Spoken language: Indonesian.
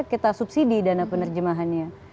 kita subsidi dana penerjemahannya